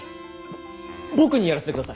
ぼ僕にやらせてください！